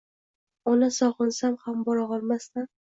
Ona, sog’insam ham bora olmasdan.